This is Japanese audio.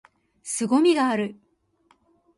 凄みがある！！！！